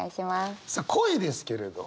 さあ恋ですけれど。